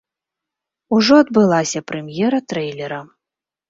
Ужо адбылася прэм'ера трэйлера.